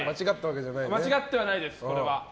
間違ってはないです、これは。